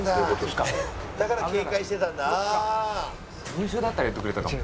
「文集」だったら言ってくれたかも。